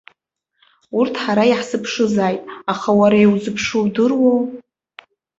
Урҭ ҳара иаҳзыԥшызааит, аха уара иузԥшу удыруоу?